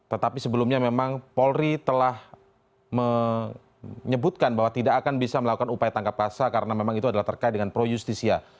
tetapi sebelumnya memang polri telah menyebutkan bahwa tidak akan bisa melakukan upaya tangkap rasa karena memang itu adalah terkait dengan pro justisia